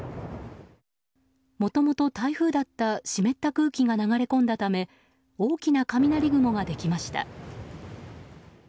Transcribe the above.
もともと台風だった湿った空気が流れ込んだため大きな雷雲ができました。